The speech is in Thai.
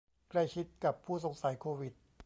ใกล้ชิดกับผู้สงสัยโควิด